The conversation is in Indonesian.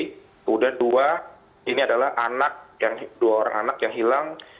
kemudian dua ini adalah anak dua orang anak yang hilang